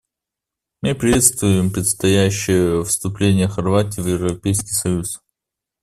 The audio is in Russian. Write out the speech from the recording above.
Мы приветствуем предстоящее вступление Хорватии в Европейский союз.